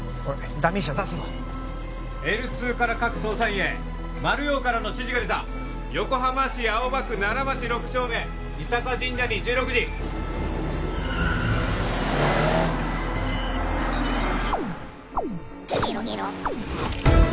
ダミー車出すぞＬ２から各捜査員へマルヨウからの指示が出た横浜市青葉区奈良町６丁目伊坂神社に１６時「ゲロゲロッ」